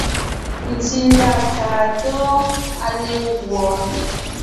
Tsítsà kaa tóo, à ne ńguɔ.